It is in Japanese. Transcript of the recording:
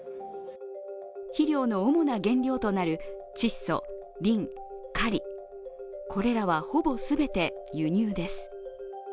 肥料の主な原料となる窒素、リン、カリこれらはほぼ全て、輸入です。